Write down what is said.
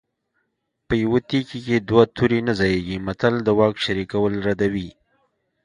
په یوه تیکي کې دوه تورې نه ځاییږي متل د واک شریکول ردوي